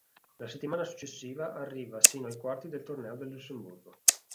La settimana successiva arriva sino ai quarti del torneo del Lussemburgo.